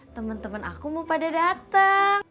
temen temen aku mau pada datang